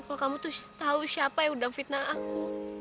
kalau kamu tuh tahu siapa yang udah fitnah aku